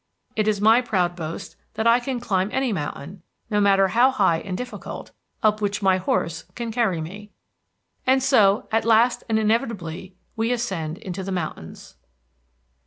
It is my proud boast that I can climb any mountain, no matter how high and difficult, up which my horse can carry me. And so, at last and inevitably, we ascend into the mountains.